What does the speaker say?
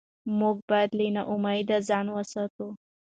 موږ باید له ناامیدۍ ځان وساتو